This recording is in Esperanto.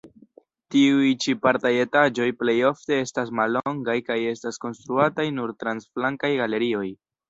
Tiuj ĉi partaj etaĝoj plejofte estas mallongaj kaj estas konstruataj nur trans flankaj galerioj.